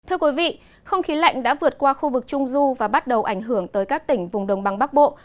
thưa quý vị không khí lạnh đã vượt qua khu vực trung du và bắt đầu ảnh hưởng tới các tỉnh vùng đông băng bắc bộ